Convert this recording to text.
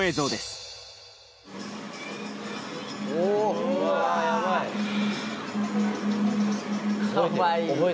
かわいい。